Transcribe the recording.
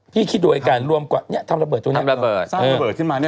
พี่คิดโดยกันรวมกว่าเนี่ยทำระเบิดตัวเนี่ยทำระเบิดสร้างระเบิดขึ้นมาเนี่ย